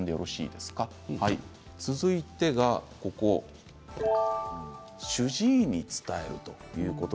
続いては、主治医に伝える。